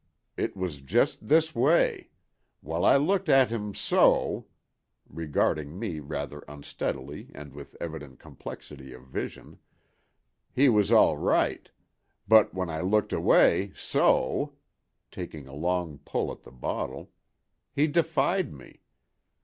It was just this way: while I looked at him, so"—regarding me rather unsteadily and with evident complexity of vision—"he was all right; but when I looked away, so"—taking a long pull at the bottle—"he defied me.